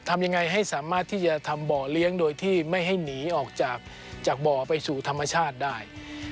ทำยังไงให้สามารถที่จะทำบ่อเลี้ยงโดยที่ไม่ให้หนีออกจากบ่อไปสู่ธรรมชาติได้